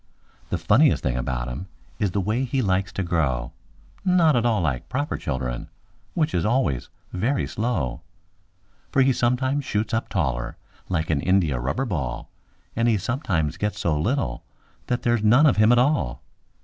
The funniest thing about him is the way he likes to grow— Not at all like proper children, which is always very slow; For he sometimes shoots up taller like an india rubber ball, And he sometimes gets so little that there's none of him at all.